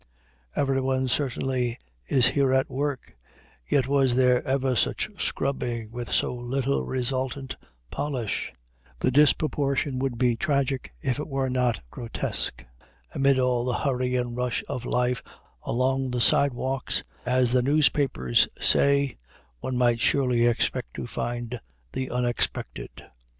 Everyone certainly is here at work, yet was there ever such scrubbing with so little resultant polish? The disproportion would be tragic if it were not grotesque. Amid all "the hurry and rush of life along the sidewalks," as the newspapers say, one might surely expect to find the unexpected.